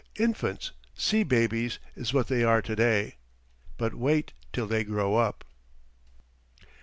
Infants, sea babies, is what they are to day. But wait till they grow up!